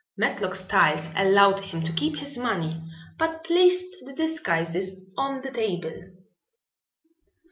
Matlock Styles allowed him to keep his money but placed the disguises on the table.